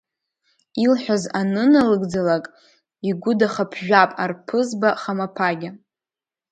Илҳәаз аныналыгӡалак, игәы дахаԥжәап арԥызба хамаԥагьа.